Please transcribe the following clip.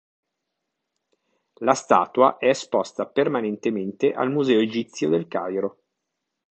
La statua è esposta permanentemente al Museo Egizio del Cairo.